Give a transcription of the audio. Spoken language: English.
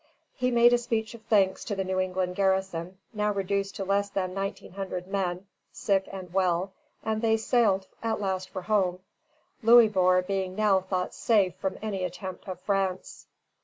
He made a speech of thanks to the New England garrison, now reduced to less than nineteen hundred men, sick and well, and they sailed at last for home, Louisbourg being now thought safe from any attempt of France.